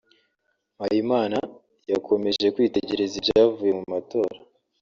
Mpayimana yakomeje kwitegereza ibyavuye mu matora